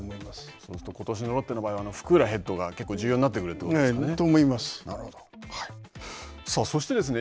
そうするとことしのロッテの場合は福浦ヘッドが結構重要になってくるということなんですかね。